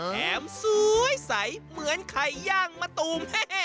สวยใสเหมือนไข่ย่างมะตูม